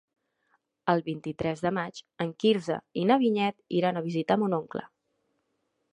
El vint-i-tres de maig en Quirze i na Vinyet iran a visitar mon oncle.